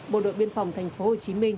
bộ đội biên phòng thành phố hồ chí minh